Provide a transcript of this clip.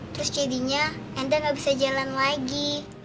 terus jadinya endel gak bisa jalan lagi